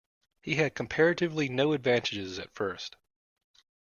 He had comparatively no advantages at first.